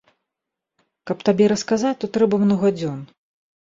Каб табе расказаць, то трэба многа дзён.